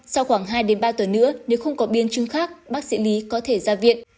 sau khoảng hai ba tuần nữa nếu không có biến chứng khác bác sĩ lý có thể ra viện